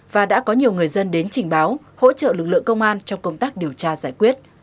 và đã có nhiều người dân đến trình báo hỗ trợ lực lượng công an trong công tác điều tra giải quyết